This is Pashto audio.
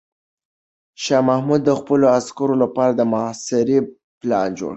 شاه محمود د خپلو عسکرو لپاره د محاصرې پلان جوړ کړ.